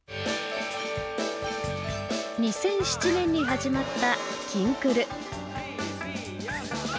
２００７年に始まった「きんくる」。